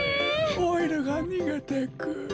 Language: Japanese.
オイルがにげてく。